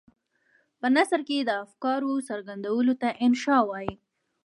په نثر کې د افکارو څرګندولو ته انشأ وايي.